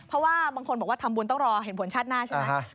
เพราะว่าบางคนบอกว่าทำบุญต้องรอเห็นผลชาติหน้าใช่ไหม